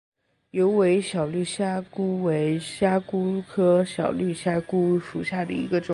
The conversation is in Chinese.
疣尾小绿虾蛄为虾蛄科小绿虾蛄属下的一个种。